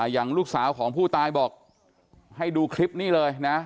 อย่างลูกสาวของผู้ตายบอกให้ดูคลิปนี้เลยนะ